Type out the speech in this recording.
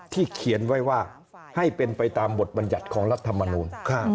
เขียนไว้ว่าให้เป็นไปตามบทบัญญัติของรัฐมนูล